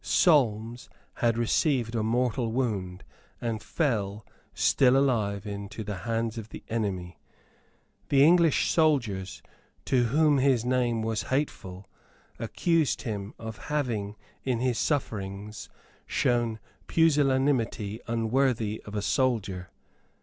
Solmes had received a mortal wound, and fell, still alive, into the hands of the enemy. The English soldiers, to whom his name was hateful, accused him of having in his sufferings shown pusillanimity unworthy of a soldier.